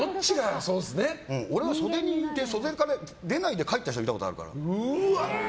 俺、袖から出ないで帰った人見たことあるから。